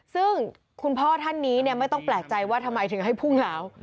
ซึ่งคุณพ่อท่านนี้ไม่ต้องแปลกใจว่าทำไมถึงให้พุ่งเหลา